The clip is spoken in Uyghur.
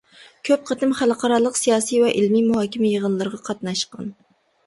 كۆپ قېتىم خەلقئارالىق سىياسىي ۋە ئىلمىي مۇھاكىمە يىغىنلىرىغا قاتناشقان.